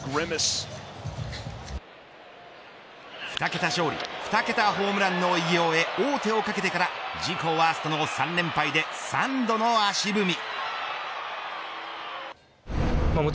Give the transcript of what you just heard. ２桁勝利２桁ホームランの偉業へ王手をかけてから自己ワーストの３連敗で３度の足踏み。